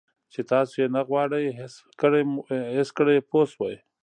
چې تاسو یې نه غواړئ حس کړئ پوه شوې!.